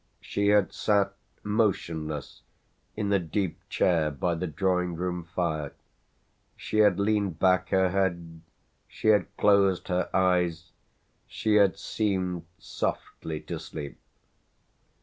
She had sat motionless in a deep chair by the drawing room fire; she had leaned back her head, she had closed her eyes, she had seemed softly to sleep.